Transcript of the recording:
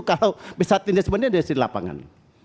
kalau bisa tindas bindas di lapangan